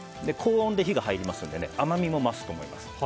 高温で火が入りますので甘みも増すと思います。